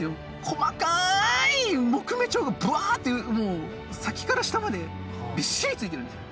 細かい木目調がぶわってもう先から下までびっしり付いてるんですよ。